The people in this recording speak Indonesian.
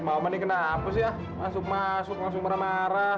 mama nih kenapa sih ya masuk masuk langsung marah marah